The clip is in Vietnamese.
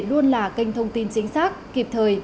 luôn là kênh thông tin chính xác kịp thời